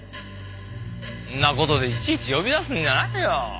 そんな事でいちいち呼び出すんじゃないよ。